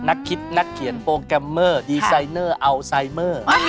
นักคิดนักเขียนโปรแกรมเมอร์ดีไซเนอร์อัลไซเมอร์